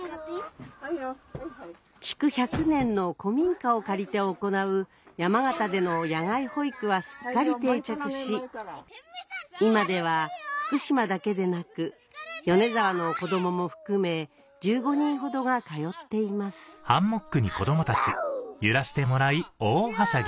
築１００年の古民家を借りて行う山形での野外保育はすっかり定着し今では福島だけでなく米沢の子どもも含め１５人ほどが通っていますわぁ！